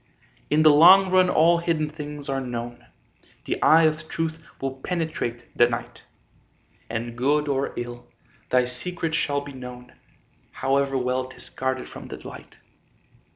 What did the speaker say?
In the long run all hidden things are known, The eye of truth will penetrate the night, And good or ill, thy secret shall be known, However well 'tis guarded from the light.